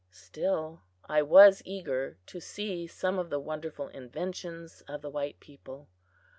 Still, I was eager to see some of the wonderful inventions of the white people.